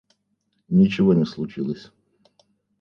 Ничего не случилось